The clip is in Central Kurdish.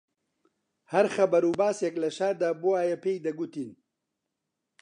هەر خەبەر و باسێک لە شاردا بوایە پێی دەگوتین